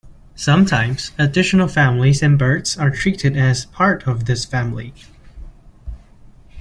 Sometimes, additional families and birds are treated as part of this family.